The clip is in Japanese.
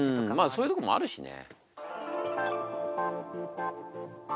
そういうところもあるしね。